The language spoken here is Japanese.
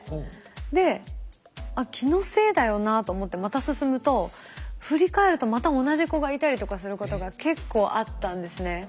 で「あっ気のせいだよな」と思ってまた進むと振り返るとまた同じ子がいたりとかすることが結構あったんですね。